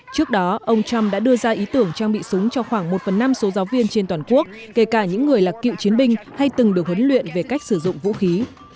trước đó ông trump đã đưa ra ý tưởng trang bị súng cho khoảng một phần năm số giáo viên trên toàn quốc kể cả những người là cựu chiến binh hay từng được huấn luyện về cách sử dụng vũ khí